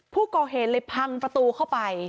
ผู้ก่อเหตุเลยพังประตูเข้าไป